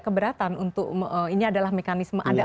keberatan untuk ini adalah mekanisme ada